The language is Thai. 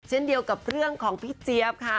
เช่นเดียวกับเรื่องของพี่เจี๊ยบค่ะ